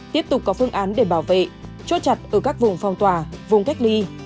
tiếp tục có phương án để bảo vệ chốt chặt ở các vùng phong tỏa vùng cách ly